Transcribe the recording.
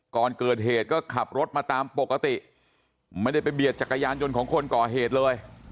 ก่อนเกิดเหตุก็ขับรถมาตามปกติไม่ได้ไปเบียดจักรยานยนต์ของคนก่อเหตุเลย